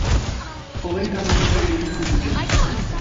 Hogeita hamar opera idatzi zituen.